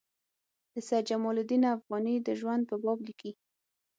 د سید جمال الدین افغاني د ژوند په باب لیکي.